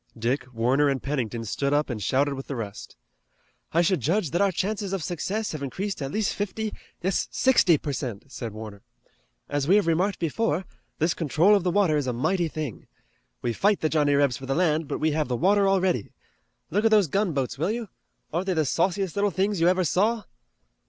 Dick, Warner and Pennington stood up and shouted with the rest. "I should judge that our chances of success have increased at least fifty, yes sixty, per cent," said Warner. "As we have remarked before, this control of the water is a mighty thing. We fight the Johnnie Rebs for the land, but we have the water already. Look at those gunboats, will you? Aren't they the sauciest little things you ever saw?"